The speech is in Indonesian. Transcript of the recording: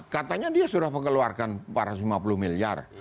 katanya dia sudah mengeluarkan empat ratus lima puluh miliar